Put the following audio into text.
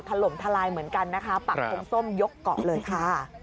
ถล่มทลายเหมือนกันนะคะปักทงส้มยกเกาะเลยค่ะ